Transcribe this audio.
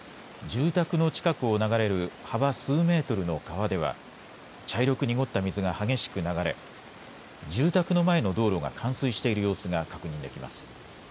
住宅の近くを流れる幅数メートルの川では、茶色く濁った水が激しく流れ、住宅の前の道路が冠水している様子が確認できます。